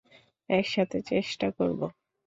একসাথে চেষ্টা করবো।